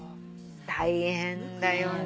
大変だよね。